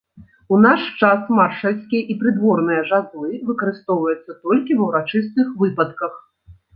У наш час маршальскія і прыдворныя жазлы выкарыстоўваюцца толькі ва ўрачыстых выпадках.